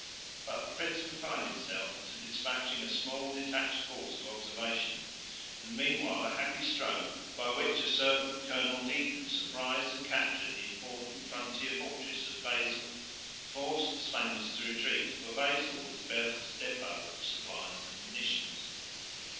But the prince confined himself to despatching a small detached force of observation; and meanwhile a happy stroke, by which a certain Colonel Dieden surprised and captured the important frontier fortress of Wesel, forced the Spaniards to retreat, for Wesel was Berg's depot of supplies and munitions.